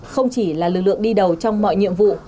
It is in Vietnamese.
không chỉ là lực lượng đi đầu trong mọi nhiệm vụ